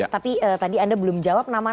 tapi tadi anda belum jawab nama